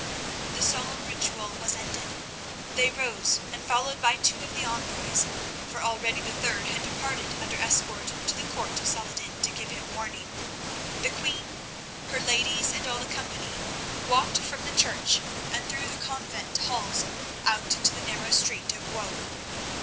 The solemn ritual was ended. They rose, and, followed by two of the envoys—for already the third had departed under escort to the court of Saladin to give him warning—the queen, her ladies and all the company, walked from the church and through the convent halls out into the narrow Street of Woe.